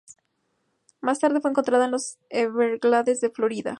Más tarde fue encontrada en los Everglades de Florida.